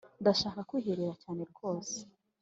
Ndashaka kwiherera cyane rwose